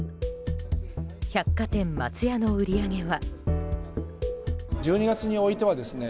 百貨店松屋の売り上げは。